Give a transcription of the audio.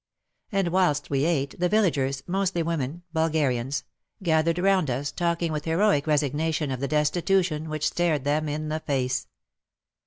And whilst we ate, the villagers — mostly women — (Bulgarians) gath ered round us, talking with heroic resignation of the destitution which stared them in the face.